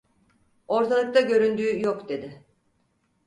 Ortalıkta göründüğü yok! dedi.